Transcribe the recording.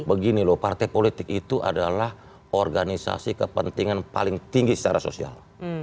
begini loh partai politik itu adalah organisasi kepentingan paling tinggi secara sosial